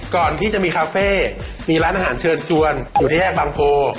ก่อนที่จะมีคาเฟ่มีร้านอาหารเชิญชวนอยู่ที่แยกบางโพ